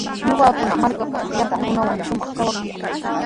Ñuqakuna markaatrawqa llapan runawanmi shumaq kawakuyaa.